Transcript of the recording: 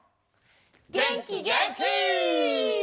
げんきげんき！